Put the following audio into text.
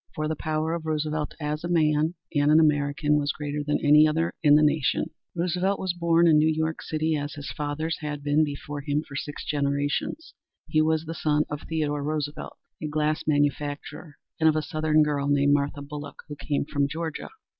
For the power of Roosevelt as a man and an American was greater than any other in the nation. Roosevelt was born in New York City, as his fathers had been before him for six generations. He was the son of Theodore Roosevelt, a glass manufacturer, and of a southern girl named Martha Bulloch, who came from Georgia.